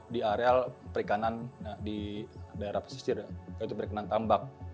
di areal perikanan di daerah pesisir yaitu perikanan tambak